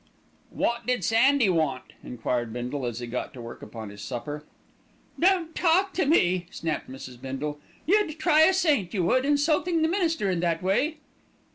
"Wot did Sandy want?" enquired Bindle as he got to work upon his supper. "Don't talk to me," snapped Mrs. Bindle. "You'd try a saint, you would, insulting the minister in that way."